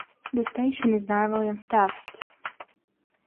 The station is normally unstaffed.